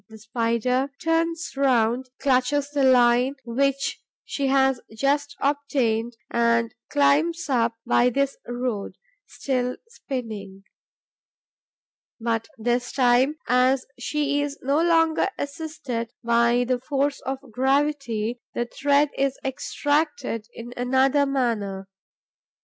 The Spider turns round, clutches the line which she has just obtained and climbs up by this road, still spinning. But, this time, as she is no longer assisted by the force of gravity, the thread is extracted in another manner.